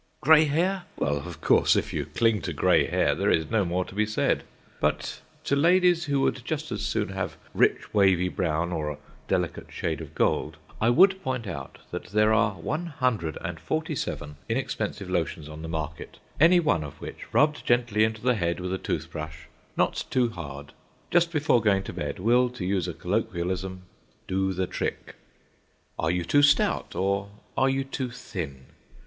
Grey hair! Well, of course, if you cling to grey hair, there is no more to be said. But to ladies who would just as soon have rich wavy brown or a delicate shade of gold, I would point out that there are one hundred and forty seven inexpensive lotions on the market, any one of which, rubbed gently into the head with a tooth brush (not too hard) just before going to bed will, to use a colloquialism, do the trick. Are you too stout, or are you too thin?